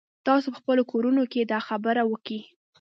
تاسو په خپلو کورونو کښې دا خبره وکئ.